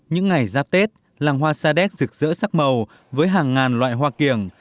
những ngày giáp tết làng hoa sa đéc rực rỡ sắc màu với hàng ngàn loại hoa kiểng